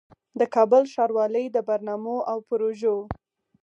د کابل ښاروالۍ د برنامو او پروژو